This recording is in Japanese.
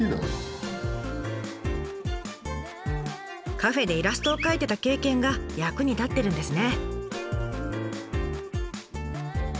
カフェでイラストを描いてた経験が役に立ってるんですね。